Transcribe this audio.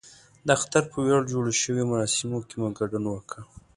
د اختر په ویاړ جوړو شویو مراسمو کې مو ګډون وکړ.